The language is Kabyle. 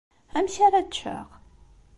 Amek ara ččeɣ?